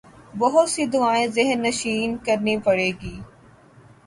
بہت سی دعائیں ذہن نشین کرنی پڑیں گی۔